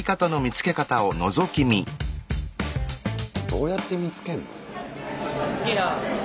どうやって見つけんの？